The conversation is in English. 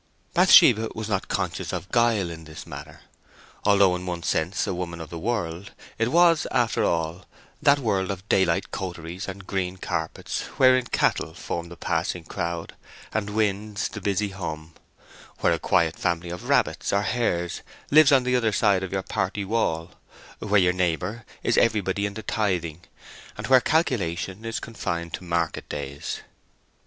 Bathsheba was not conscious of guile in this matter. Though in one sense a woman of the world, it was, after all, that world of daylight coteries and green carpets wherein cattle form the passing crowd and winds the busy hum; where a quiet family of rabbits or hares lives on the other side of your party wall, where your neighbour is everybody in the tything, and where calculation is confined to market days.